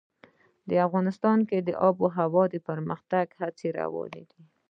افغانستان کې د آب وهوا د پرمختګ هڅې روانې دي.